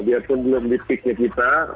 dia pun belum di pick nya kita